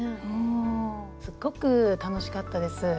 すっごく楽しかったです。